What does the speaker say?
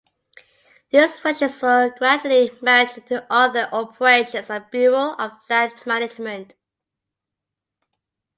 These functions were gradually merged into other operations of the Bureau of Land Management.